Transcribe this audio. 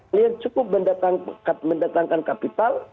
kalian cukup mendatangkan kapital